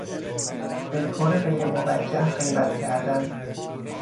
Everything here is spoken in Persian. بهطور غیر موجه غیبت کردن